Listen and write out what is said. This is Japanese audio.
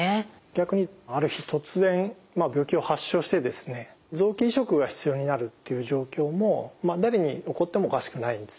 逆にある日突然病気を発症してですね臓器移植が必要になるっていう状況も誰に起こってもおかしくないんですよね。